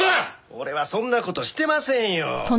俺はそんな事してませんよ！